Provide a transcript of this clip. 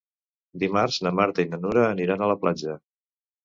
Dimarts na Marta i na Nura aniran a la platja.